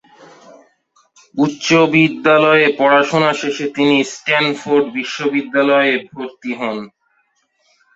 উচ্চ বিদ্যালয়ে পড়াশোনা শেষে তিনি স্ট্যানফোর্ড বিশ্ববিদ্যালয়-এ ভর্তি হন।